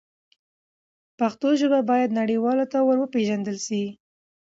پښتو ژبه باید نړیوالو ته ور وپیژندل سي.